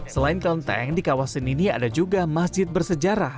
selain kelenteng di kawasan ini ada juga masjid bersejarah